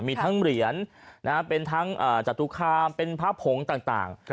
มีทั้งเหรียญเป็นทั้งจตุคามเป็นพระผงต่าง